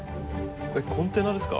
コンテナですか？